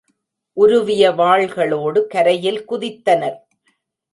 உருவிய வாள்களோடு கரையில் குதித்தனர்.